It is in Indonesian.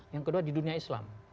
yang kedua di dunia islam